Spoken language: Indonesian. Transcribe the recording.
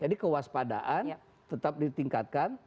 jadi kewaspadaan tetap ditingkatkan